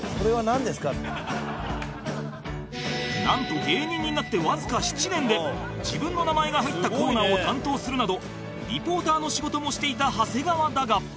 なんと芸人になってわずか７年で自分の名前が入ったコーナーを担当するなどリポーターの仕事もしていた長谷川だが